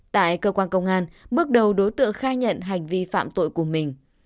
tại cơ quan công an bước đầu đối tượng khai nhận hành vi phạm tội của mình